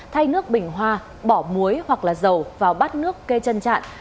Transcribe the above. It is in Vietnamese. thay nước bình hoa bỏ muối hoặc là dầu vào bát nước kê chân trạng